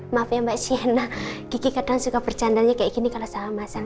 maaf ya mbak sienna kiki kadang suka bercandanya kayak gini kalau masalah masalah